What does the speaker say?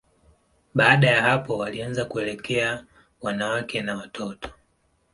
Baada ya hapo, walianza kuelekea wanawake na watoto.